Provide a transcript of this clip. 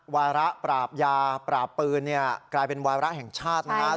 วาระปราบยาปราบปืนกลายเป็นวาระแห่งชาตินะครับ